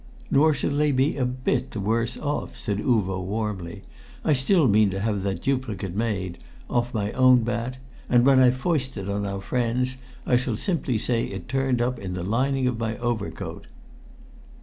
"Nor shall they be a bit the worse off," said Uvo warmly. "I still mean to have that duplicate made, off my own bat, and when I foist it on our friends I shall simply say it turned up in the lining of my overcoat."